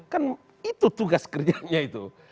kan itu tugas kerjanya itu